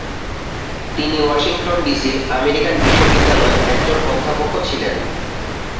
তিনি ওয়াশিংটন, ডিসির আমেরিকান বিশ্ববিদ্যালয়ের একজন অধ্যাপক ও ছিলেন।